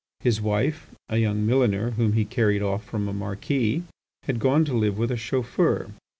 His wife, a young milliner whom he carried off from a marquis, had gone to live with a chauffeur.